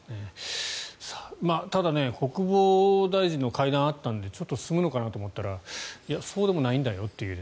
ただ国防大臣の会談があったのでちょっと進むのかなと思ったらそうでもないんだよという。